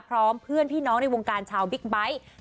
พร้อมเพื่อนพี่น้องในวงการชาวบิ๊กไบท์